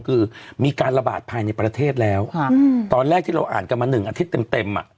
คือมีการระบาดภายในประเทศแล้วตอนแรกที่เราอ่านกันมาหนึ่งอาทิตย์เต็มเต็มอ่ะ